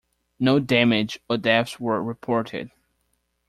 No damage or deaths were reported.